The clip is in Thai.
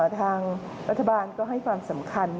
ทางรัฐบาลก็ให้ความสำคัญ